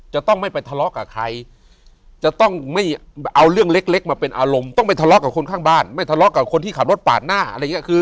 จะต้องไม่ไปทะเลาะกับใครจะต้องไม่เอาเรื่องเล็กมาเป็นอารมณ์ต้องไปทะเลาะกับคนข้างบ้านไม่ทะเลาะกับคนที่ขับรถปาดหน้าอะไรอย่างนี้